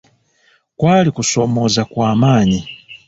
Kwali kusoomooza kwa maanyi.